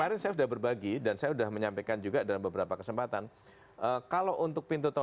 itu misalnya daerah jawa tengah ya